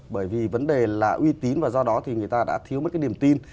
bởi vì vấn đề là uy tín và do đó thì người ta đã thiếu mất cái niềm tin